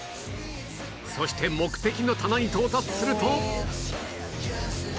そして目的の棚に到達すると